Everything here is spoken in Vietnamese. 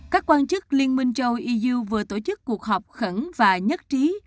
các quan chức liên minh châu iuu vừa tổ chức cuộc họp khẩn và nhất trí